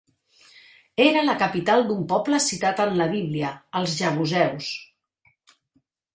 Era la capital d'un poble citat en la Bíblia, els jebuseus.